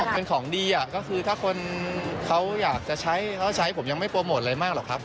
เป็นของดีก็คือถ้าคนเขาอยากจะใช้เขาใช้ผมยังไม่โปรโมทอะไรมากหรอกครับ